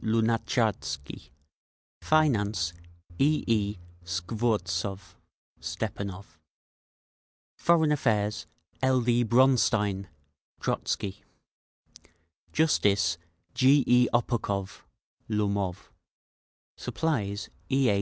Lunatcharsky Finance: E. E. Skvortsov (Stepanov) Foreign Affairs: L. D. Bronstein (Trotzky) Justice: G. E. Oppokov (Lomov) Supplies: E. A.